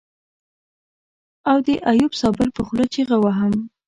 او د ايوب صابر په خوله چيغه وهم.